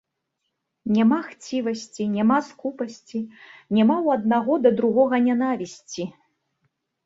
Няма хцівасці, няма скупасці, няма ў аднаго да другога нянавісці.